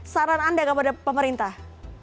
saran anda kepada pemerintah